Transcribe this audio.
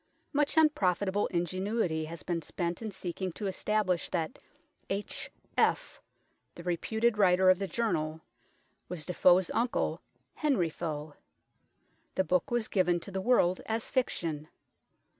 Much unprofitable ingenuity has been spent in seeking to establish that " H.F.," the reputed writer of the Journal, was Defoe's uncle, Henry Foe. The book was given to the world as fiction.